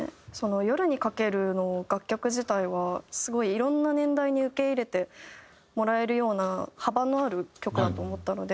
『夜に駆ける』の楽曲自体はすごいいろんな年代に受け入れてもらえるような幅のある曲だと思ったので。